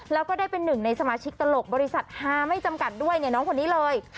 แล้วก็ได้เป็นหนึ่งในสมาชิกตลกบริษัทฮาไม่จำกัดด้วยเนี่ยน้องคนนี้เลย